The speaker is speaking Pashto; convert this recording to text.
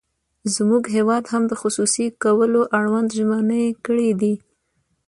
زموږ هېواد هم د خصوصي کولو اړوند ژمنې کړې دي.